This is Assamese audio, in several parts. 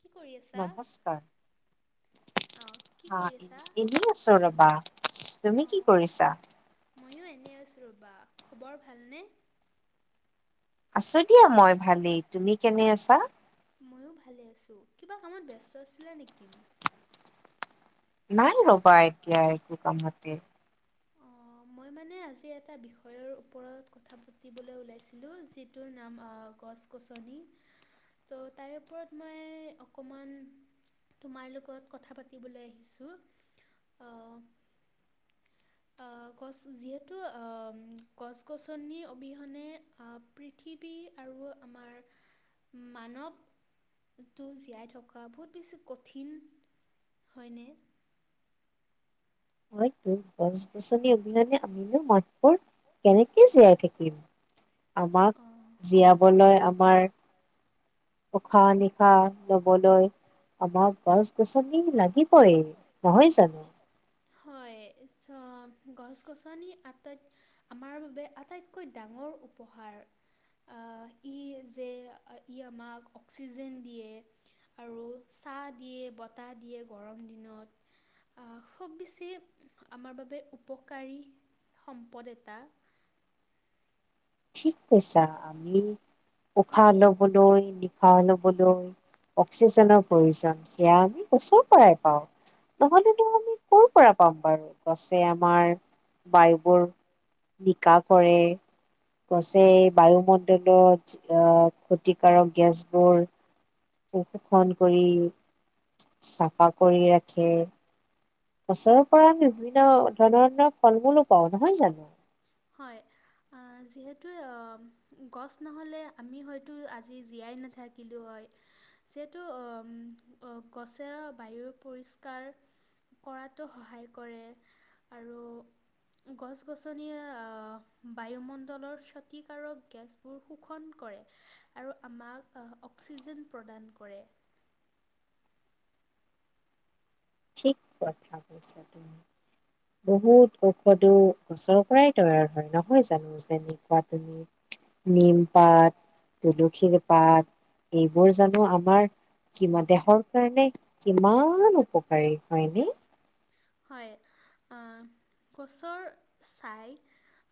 কি কৰি আছা? নমস্কাৰ! অ', কি হা কৰি আছা? এনে আছো ৰবা। তুমি কি অ', কৰিছা? ময়ো এনেই আছোঁ ৰ'বা। খবৰ ভালনে? আছো দিয়া মই ভালেই। তুমি কেনে আছা? মইয়ো ভালে আছো। কিবা কামত ব্যস্ত আছিলা নেকি? নাই ৰ'বা এতিয়া একো কামতে। মই মানে আজি এটা বিষয়ৰ ওপৰত কথা পাতিবলৈ ওলাইছিলোঁ যিটোৰ নাম আ গছ গছনি ত' তাৰে ওপৰত মই অকণমান তোমাৰ লগত কথা পাতিবলৈ আহিছোঁ অ অ গছ যিহেতু অ গছ- গছনি অবিহনে অ পৃথিৱী আৰু আমাৰ মানৱ-টো জীয়াই থকা বহুত বেছি কঠিন হয়নে? হয়তো গছ গছনি অবিহনে আমিনো মানুহবোৰ কেনেকে জীয়াই থাকিম আমাক অঁ জীয়াবলৈ আমাৰ- উশাহ নিশাহ লবলৈ আমাক গছ গছনি লাগিবই নহয় জানো হয়ে চন গছ গছনি আটাইত আমাৰ বাবে আটাইতকৈ ডাঙৰ উপহাৰ আ ই যে ই আমাক অক্সিজেন দিয়ে আৰু চাহ দিয়ে, বতাহ দিয়ে গৰম দিনত খুব বেছি আমাৰ বাবে উপকাৰী সম্পদ এটা ঠিক পইছা আমি উশাহ লবলৈ নিশাহ লবলৈ অক্সিজেনৰ প্ৰয়োজন। সেয়া আমি গছৰ পৰাই পাওঁ, নহলেনো আমি ক'ৰ পৰা পাম বাৰু! গছে আমাৰ বায়ুবোৰ নিকা কৰে গছেই বায়ুমণ্ডলত অ' ক্ষতিকাৰক গেছবোৰ শোষন কৰি চাফা কৰি ৰাখে গছৰ পৰা আমি বিভিন্ন ধৰণৰ ফল মূলো পাওঁ নহয় জানো এই অ' গছ নহ'লে আমি হয়তো আজি জীয়াই নাথাকিলোঁ হয় যিহেতু উ উ গছে বায়ু পৰিষ্কাৰ কৰাতো সহায় কৰে আৰু গছ গছনিয়ে আঁ বায়ুমণ্ডলৰ ক্ষতিকাৰক গেছবোৰ শোষণ কৰে আৰু আমাক অক্সিজেন প্ৰদান কৰে ঠিক কথা কৈছা তুমি৷ বহুত ঔষধো গছৰ পৰাই তৈয়াৰ হয় নহয় জানো যেনেকুৱা তুমি নিম পাত, তুলসীৰ পাত এই মোৰ জানো আমাৰ কিমান দেহৰ কাৰণে কিমান উপ কাৰী হয় নে হয় অ' গছৰ ছাঁই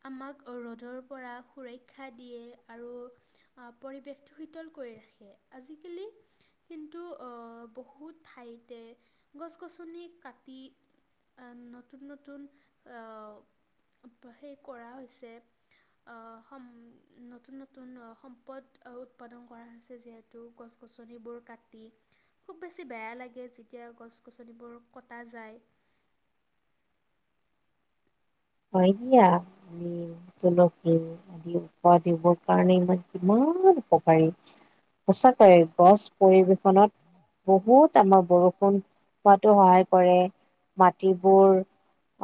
আমাক ৰ'দৰ পৰা সুৰক্ষা দিয়ে আৰু পৰিৱেশটো শীতল কৰি ৰাখে আজিকালি কিন্তু অ' বহুত ঠাইতে গছ-গছনি কাটি নতুন নতুন অ' সেই কৰা হৈছে অ' সম নতুন নতুন সম্পদ উৎপাদন কৰা হৈছে যিহেতু গছ গছনিবোৰ কাটি খুব বেছি বেয়া লাগে যেতিয়া গছ গছনিবোৰ কটা যায় হয় দিয়া নিম তুলসী আদি জীৱৰ কাৰণে ইমান কিমান উপকাৰী সঁচাকৈয়ে গছ পৰিবেশনত বহুত আমাৰ বৰষুণ হোৱাতো সহায় কৰে মাটিবোৰ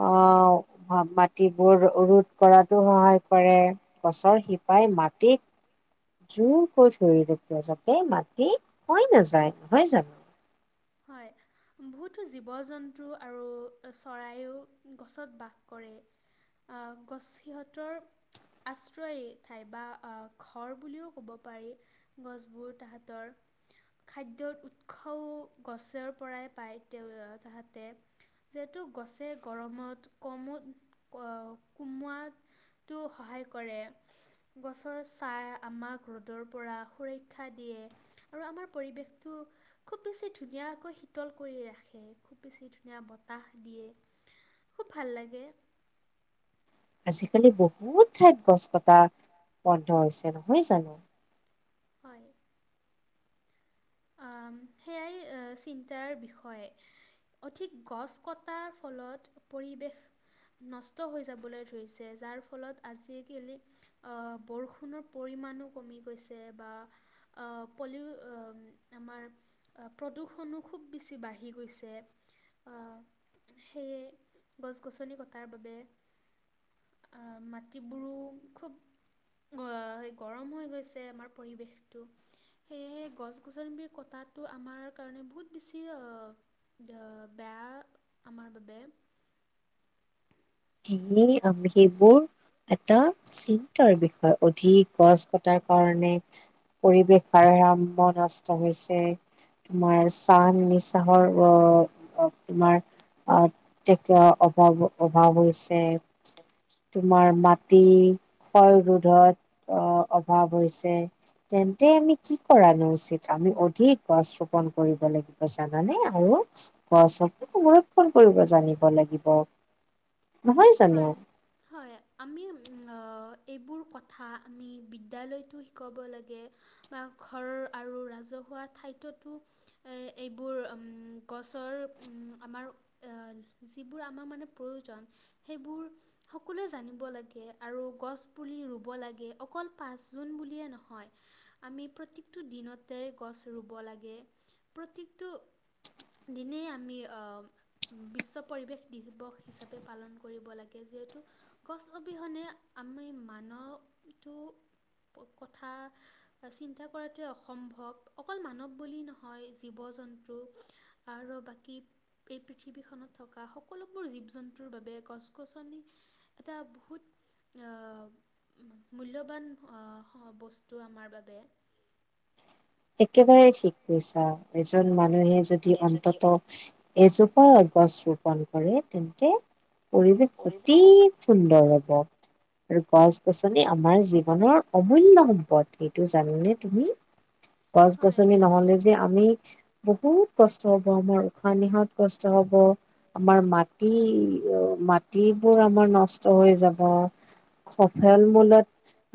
অ' মাটিবোৰ ৰোধ কৰাতো সহায় কৰে গছৰ শিপাই মাটিক যু ধৰিব যাতে মাটি হৈ নাযায় নহয় জানোঁ? হয় বহুতো জীৱ জন্তু আৰু চৰাইয়ো গছত বাস কৰে, আ, গছ সিহঁতৰ আশ্ৰয় ঠাই বা আ, ঘৰ বুলিও ক'ব পাৰি। গছবোৰ তাহাঁতৰ খাদ্য উৎসও গছৰ পৰাই পায় তে তাহাঁতে যিহেতু গছে গৰমত কম অ' কমোৱাটো সহায় কৰে গছৰ ছাঁয়ে আমাক ৰ'দৰ পৰা সুৰক্ষা দিয়ে আৰু আমাৰ পৰিৱেশটো খুব বেছি ধুনীয়াকৈ শীতল কৰি ৰাখে খুব বেছি ধুনীয়া বতাহ দিয়ে খুব ভাল লাগে আজিকালি বহুত ঠাইত গছ কটা বন্ধ হৈছে নহয় জানো হয় আ, সেয়াই অ', চিন্তাৰ বিষয়, অধিক গছ কটাৰ ফলত পৰিৱেশ নষ্ট হৈ যাবলৈ ধৰিছে, যাৰ ফলত আজিকালি অ', বৰষুণৰ পৰিমাণো কমি গৈছে বা আ, পলিও আমাৰ অ', প্ৰদূষনো খুব বেছি বাঢ়ি গৈছে অ', সেয়ে গছ গছনি কটাৰ বাবে আ, মাটিবোৰো খুব গৰম হৈ গৈছে, আমাৰ পৰিৱেশটো সেয়েহে গছ গছনি বিলাক কটাটো আমাৰ কাৰণে বহুত বেছি অ', বেয়া আমাৰ বাবে। এনেই সেইবোৰ এটা চিন্তাৰ বিষয়, অধিক গছ কটাৰ কাৰণে পৰিৱেশ ভাৰসাম্য নষ্ট হৈছে, তোমাৰ শ্বাস নিশ্বাসৰ অ', তোমাৰ অ', তে অভাৱ অভাৱ হৈছে। তোমাৰ মাটি ক্ষয় ৰোধত আ, অভাৱ হৈছে তেন্তে আমি কি কৰানো উচিত? আমি অধিক গছ ৰোপন কৰিব লাগিব জানানে? আৰু গছ সংৰক্ষন কৰিব জানিব লাগিব। নহয় জানো হয়, হয়, আমি উম, ‌আ, এইবোৰ কথা আমি বিদ্যালয়তো শিকাব লাগে, বা ঘৰ আৰু ৰাজহুৱা ঠাইতোটো এ' এইবোৰ উম, গছৰ উম, আমাৰ এ, যিবোৰ আমাক মানে প্ৰয়োজন সেইবোৰ সকলোৱে জানিব লাগে, আৰু গছ পুলি ৰুব লাগে অকল পাঁচ জুন বুলিয়ে নহয়, আমি প্ৰতিটো দিনতে গছ ৰুব লাগে, প্ৰত্যেকটো দিনেই আমি আ, বিশ্ব পৰিৱেশ দিৱস হিচাপে পালন কৰিব লাগে যিহেতু, গছ অবিহনে আমি মানৱটো কথা চিন্তা কৰাটোৱে অসম্ভৱ অকল মানৱ বুলি নহয়, জীৱ জন্তু আৰু বাকী এই পৃথিৱীখনত থকা সকলোবোৰ জীৱ জন্তুৰ বাবে গছ গছনি এটা বহুত আ, মূল্যবান আ, বস্তু আমাৰ বাবে একেবাৰে ঠিক কৈছা, এজন মানুহে যদি অন্তত এজোপা গছ ৰোপন কৰে তেন্তে পৰিৱেশ অতি সুন্দৰ হ'ব, আৰু গছ গছনি আমাৰ জীৱনৰ অমূল্য সম্পদ এইটো জানানে তুমি? গছ হয় গছনি নহলে যে আমি বহুত কষ্ট হ'ব আমাৰ উশা নিহত কষ্ট হব আমাৰ মাটি মাটিবোৰ আমাৰ নষ্ট হৈ যাব সফল মূলত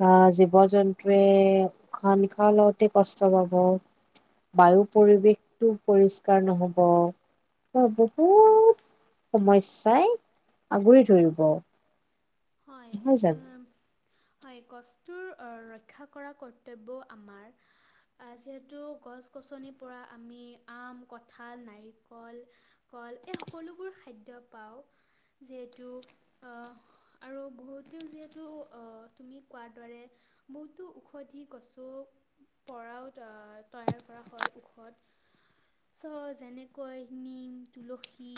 আহ ব জন্তুয়ে য়ে উখা নিখা লওঁতে কষ্ট বায়ু পৰিৱেশটো পৰিষ্কাৰ নহব বা বহুত সমস্যাই আগুৰি ধৰিব হয় নহয় জানো হয় কষ্টুৰ ৰক্ষা কৰা কৰ্তব্যও আমাৰ যিহেতু গছ গছনিৰ পৰা আমি আম কঁঠাল নাৰিকল কল এই সকলোবোৰ খাদ্য পাওঁ যিহেতু আৰু বহুতেও যিহেতু তুমি কোৱাৰ দৰে বহুতো ঔষধি গছৰ পৰাও তৈয়াৰ কৰা হয় ঔষধ চ যেনেকৈ নিম তুলসী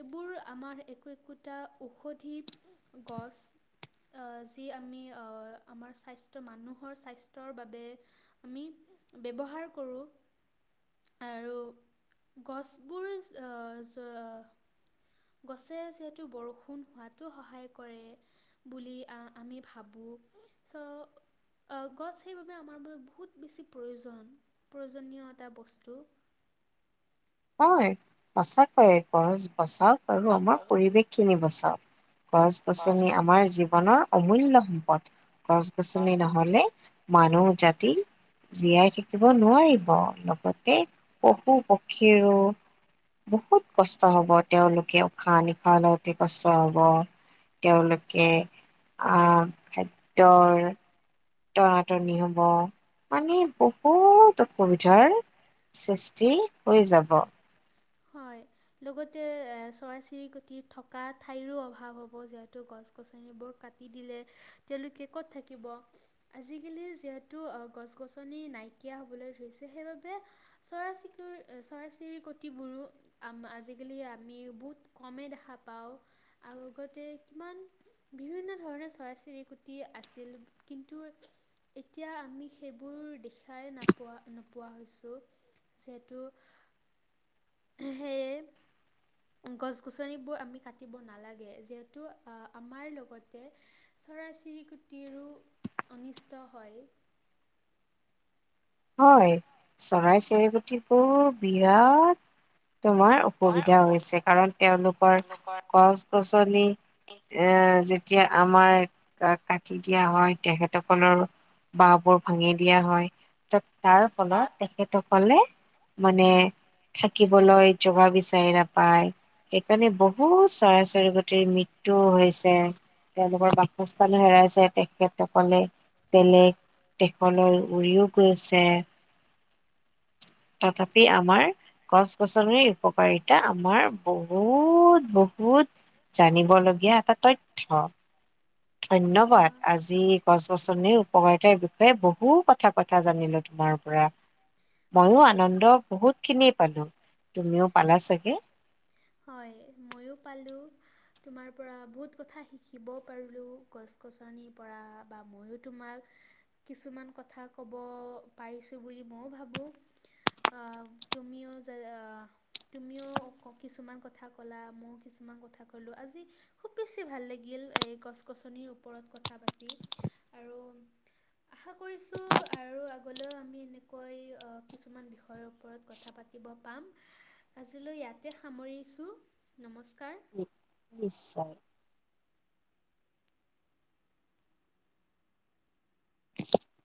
এইবোৰ আমাৰ একো একোটা ঔষধি গছ আহ যি আমি আহ আমাৰ স্বাস্থ মানুহৰ স্বাস্থ্যৰ বাবে আমি ব্যৱহাৰ কৰোঁ আৰু গছবোৰ গছে যিহেতু বৰষুণ হোৱাতো সহায় কৰে বুলি আমি ভাবোঁ চ গছ সেইবাবে আমাৰ বাবে বহুত বেছি প্ৰয়োজন প্ৰয়োজনীয় এটা বস্তু হয় সঁচাক কৈ গছ সচাওক আৰু হয় আমাৰ বাৰু পৰিৱেশ চিনিব চাওক গছ গছনি আমাৰ জীৱনৰ অমূল্য সম্পদ গছ গছনি নহ'লে মানুহ জাতি জীয়াই থাকিব নোৱাৰিব লগতে পশু পক্ষীৰো বহুত কষ্ট হব তেওঁলোকে উশাহ নিশাহ লওঁতে কষ্ট হব তেওঁলোকে আহ খাদ্যৰ টনাটনি হব মানে বহুত অসুবিধাৰ সৃষ্টি হৈ যাব। হয় লগতে এ চৰাই চিৰিকতি থকা ঠাইৰো অভাৱ হব যিহেতু গছ গছনিবোৰ কাটি দিলে তেওঁলোকে ক'ত থাকিব আজিকালি যিহেতু গছ গছনি নাইকিয়া হবলৈ ধৰিছে সেইবাবে চৰাই চিৰি কুটিবোৰো আজিকালি আমি বহুত কমেই দেখা পাওঁগতে কিমান বিভিন্ন ধৰণৰ চৰাই চিৰিকটি আছিল কিন্তু এতিয়া আমি সেইবোৰ দেখাই নাপোৱা নোপোৱা হৈছো যিহেতু সেয়ে গছ গছনিবোৰ আমি কাটিব নালাগে যিহেতু আমাৰ লগতে চৰাই চিৰিকটিৰো অনিষ্ট হয় হয় চৰাই চিৰিকটি বোৰ বিৰাট তোমাৰ অসুবিধা হৈছে কাৰণ তেওঁলোকৰ নোপোৱাৰ গছ গছনি এ যেতি যেতিয়া আমাৰ কাটি দিয়া হয় তেখেতসকলৰ বাহ বোৰ ভাঙি দিয়া হয় তাৰ ফলত তাৰ তেখেতক [unintelligible] মানে থাকিবলৈ জেগা বিচাৰি নাপায় সেইকাৰণে বহুত চৰাই চৰিকটিৰ মৃত্যুও হৈছে তেওঁলোকৰ বাসস্থানো হেৰাইছে তেখেতসকলে বেলেগ দেশলৈ উৰিও গৈছে তথাপি আমাৰ গছ গছনিৰ উপকাৰিতা আমাৰ বহুত বহুত জানিব লগীয়া এটা তথ্য ধন্যবাদ অ'। আজি গছ গছনিৰ উপকাৰিতাৰ বিষয়ে বহু কথা কথা জানিলো তোমাৰ পৰা ময়ো হয় আনন্দ বহুত খিনি পালো তুমিও পালা চাগে? হয় ময়ো পালো তোমাৰ পৰা বহুত কথা শিকিব পাৰিলো গছ গছনিৰ পৰা বা মইয়ো তোমাক কিছুমান কথা কব পাৰিছো বুলি মইও ভাবো আ তুমিও যে আ তুমিও কিছুমান কথা ক'লা ময়ো কিছুমান কথা ক'লোঁ আজি খুব বেছি ভাল লাগিল। এই গছ গছনিৰ ওপৰত কথা পাতি আৰু আশা কৰিছোঁ আৰু আগলৈও আমি এনেকৈ কিছুমান বিষয়ৰ ওপৰত কথা পাতিব পাম। আজিলৈ ইয়াতে সামৰিছোঁ নমস্কাৰ। নিশ্চয় [unintelligible]